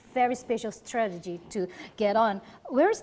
banyak pergerakan di area lain